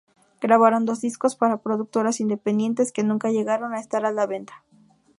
Grabaron dos discos para productoras independientes, que nunca llegaron a estar a la venta.